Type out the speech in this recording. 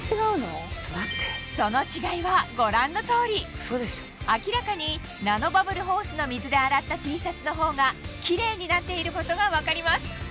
その違いはご覧の通り明らかにナノバブルホースの水で洗ったＴシャツの方がキレイになっていることが分かります